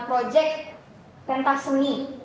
projek tentah seni